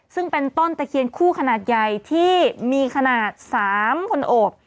ซึ่งเป็นต้นตะเคียนคู่ขนาดใหญ่ที่มีขนาด๓คนโอบ